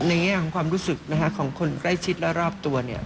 แง่ของความรู้สึกของคนใกล้ชิดและรอบตัวเนี่ย